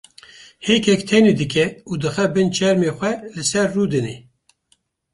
hêkek tenê dike û dixe bin çermê xwe li ser rûdine.